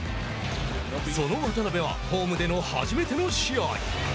その渡邊はホームでの初めての試合。